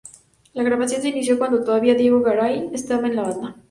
La grabación se inició cuando todavía Diego Garay estaba en la banda.